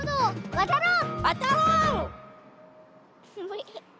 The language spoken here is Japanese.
わたろう！